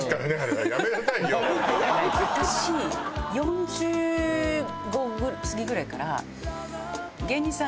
私４５過ぎぐらいから芸人さん